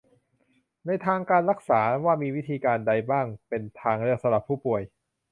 ในทางการรักษา ว่ามีวิธีการใดบ้างเป็นทางเลือกสำหรับผู้ป่วย